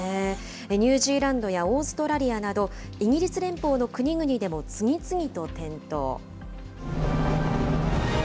ニュージーランドやオーストラリアなど、イギリス連邦の国々でも次々と点灯。